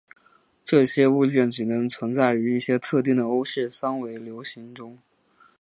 这种物件只能存在于一些特定的欧氏三维流形中。